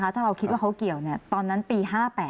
ถ้าเราคิดว่าเขาเกี่ยวตอนนั้นปี๕๘